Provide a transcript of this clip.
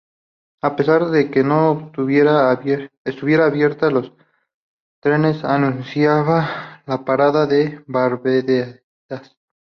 A pesar de que no estuviera abierta, los trenes anunciaban la parada de Valdebebas.